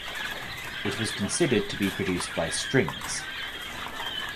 It was considered to be produced by Strings.